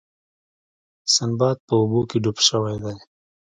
سنباد په اوبو کې ډوب شوی دی.